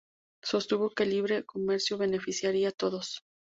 Sostuvo que el libre comercio beneficiaría a todos.